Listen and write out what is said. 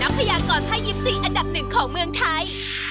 พยากรภาค๒๔อันดับหนึ่งของเมืองไทย